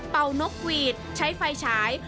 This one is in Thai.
นกหวีดใช้ไฟฉาย